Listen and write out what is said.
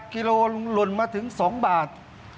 กิโลหล่นมาถึง๒บาท